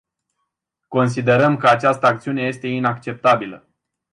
Considerăm că această acțiune este inacceptabilă!